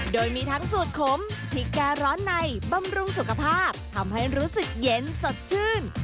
โดยมีทั้งสูตรขมพริกแกร้อนในบำรุงสุขภาพทำให้รู้สึกเย็นสดชื่น